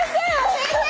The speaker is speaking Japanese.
先生！